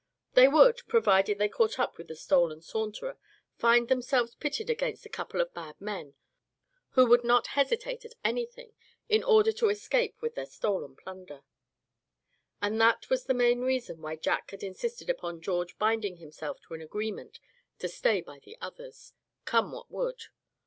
They would, provided they caught up with the stolen Saunterer, find themselves pitted against a couple of bad men, who would not hesitate at anything in order to escape with their stolen plunder. And that was the main reason why Jack had insisted upon George binding himself to an agreement to stay by the others, come what would.